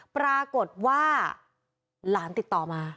ปรากฏว่าหลานติดต่อมา